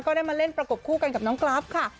ได้มาเล่นประกบคู่กันกับน้องกราฟค่ะ